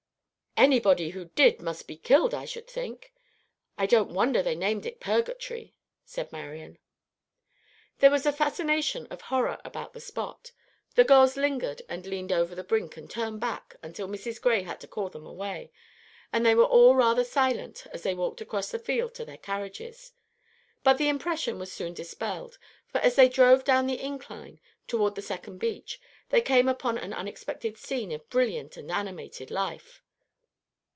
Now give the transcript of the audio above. "Anybody who did must be killed, I should think. I don't wonder they named it Purgatory," said Marian. There was a fascination of horror about the spot. The girls lingered and leaned over the brink and turned back, until Mrs. Gray had to call them away; and they were all rather silent as they walked across the field to their carriages. But the impression was soon dispelled; for as they drove down the incline toward the second beach, they came upon an unexpected scene of brilliant and animated life.